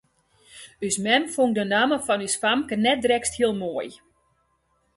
Us mem fûn de namme fan ús famke net drekst hiel moai.